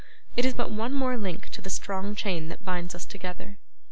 It is but one more link to the strong chain that binds us together.